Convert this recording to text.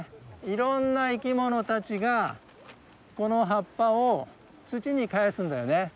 いろんな生き物たちがこの葉っぱを土にかえすんだよね。